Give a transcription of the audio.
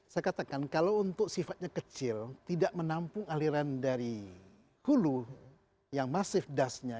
saya katakan kalau untuk sifatnya kecil tidak menampung aliran dari hulu yang masif dasnya